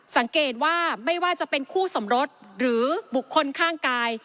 สังเกตว่าไม่ว่าจะเป็นคู่สมรสหรือบุคคลข้างกาย